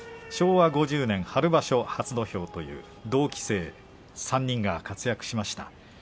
昭和５０年春場所初土俵という同期生３人が活躍しました。